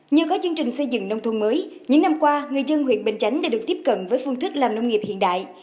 nhờ có chương trình xây dựng nông thôn mới những năm qua người dân huyện bình chánh đã được tiếp cận với phương thức làm nông nghiệp hiện đại